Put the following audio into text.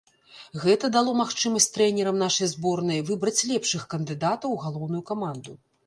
Гэта дало магчымасць трэнерам нашай зборнай выбраць лепшых кандыдатаў у галоўную каманду.